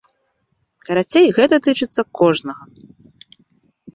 Карацей, гэта тычыцца кожнага!